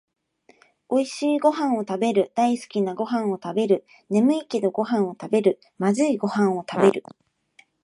おいしいごはんをたべる、だいすきなごはんをたべる、ねむいけどごはんをたべる、まずいごはんをたべる